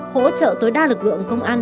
hỗ trợ tối đa lực lượng công an